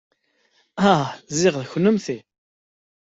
Ah, ziɣ d kennemti.